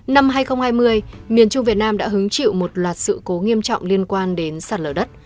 năm hai nghìn hai mươi miền trung việt nam đã hứng chịu một loạt sự cố nghiêm trọng liên quan đến sạt lở đất